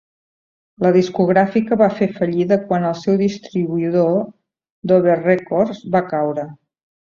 La discogràfica va fer fallida quan el seu distribuïdor, Dover Records, va caure.